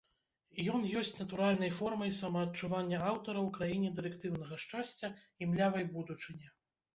Ён ёсць натуральнай формай самаадчування аўтара ў краіне дырэктыўнага шчасця і млявай будучыні.